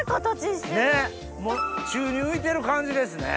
宙に浮いてる感じですね。